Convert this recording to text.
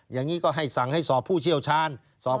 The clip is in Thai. อย่างนี้ก็ให้สั่งให้สอบผู้เชี่ยวชาญ